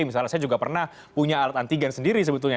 misalnya saya juga pernah punya alat antigen sendiri sebetulnya